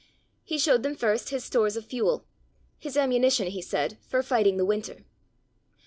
He showed them first his stores of fuel his ammunition, he said, for fighting the winter.